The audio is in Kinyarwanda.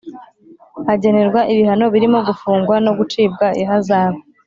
agenerwa ibihano birimo gufungwa no gucibwa ihazabu.